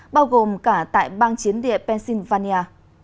bao gồm cả tại bang chiến địa pennsylvania